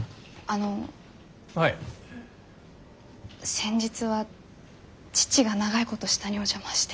先日は父が長いこと下にお邪魔して。